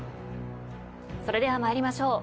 それでは参りましょう。